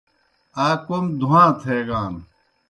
آ کوْم دُھواں تھیگان۔